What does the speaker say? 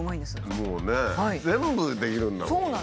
もうね全部できるんだもん。